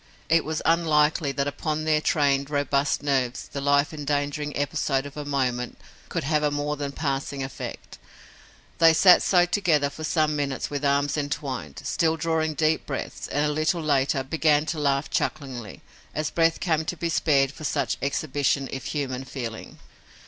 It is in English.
It was unlikely that upon their trained, robust nerves the life endangering episode of a moment could have a more than passing effect. They sat so together for some minutes with arms entwined, still drawing deep breaths, and, a little later, began to laugh chucklingly, as breath came to be spared for such exhibition if human feeling.